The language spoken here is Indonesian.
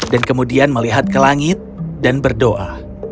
dan kemudian melihat ke langit dan berdoa